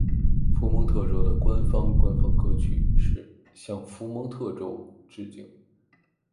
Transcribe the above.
佛蒙特州的官方官方歌曲是“向佛蒙特州致敬！”。